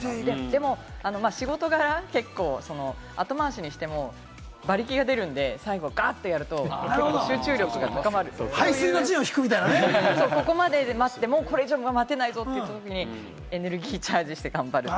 でも仕事柄、後回しにしても馬力が出るんで、最後にがっとやると集中力が高まって、ここまで待って、これ以上待てないぞというときに、エネルギーチャージして頑張る。